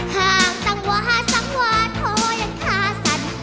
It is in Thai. ห้ามสังวาสังวาโทยังคาสัน